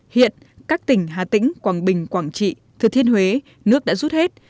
hiện các tỉnh hà tĩnh quảng bình quảng trị thừa thiên huế nước đã rút hết